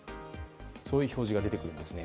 そういう表示が出てくるんですね。